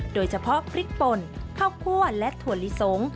โดยเฉพาะพริกป่นข้าวคั่วและถั่วลิสง